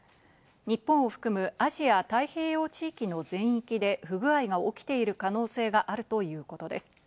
日本を含むアジア太平洋地域の全域で不具合が起きている可能性があるということです。